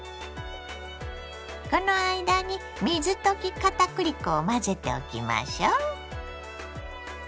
この間に水溶き片栗粉を混ぜておきましょ。